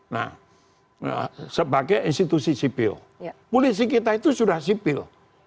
nah sebagai institusi sipil polisi kita itu sudah sipil